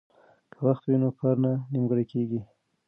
که وخت وي نو کار نه نیمګړی کیږي.